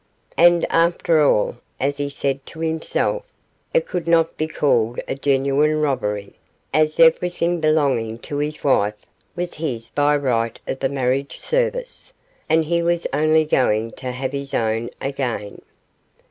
And after all, as he said to himself, it could not be called a genuine robbery, as everything belonging to his wife was his by right of the marriage service, and he was only going to have his own again.